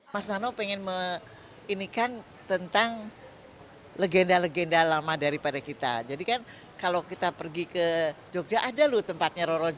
mas nano pengen ini kan tentang legenda legenda lama daripada kita jadikan kalau kita pergi ke jogja ada loh tempatnya roro jog